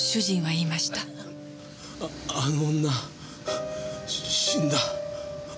あの女死んだ。